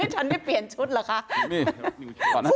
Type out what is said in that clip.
ฉันได้เปลี่ยนชุดเหรอคะ